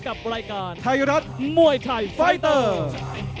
กับรายการไทยรัฐมวยไทยไฟเตอร์